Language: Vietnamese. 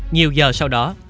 nhiều giờ sau đó